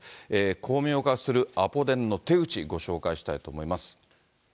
巧妙化するアポ電の手口、ご紹介したいと思います。